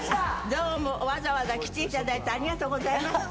どうもわざわざ来ていただいてありがとうございました。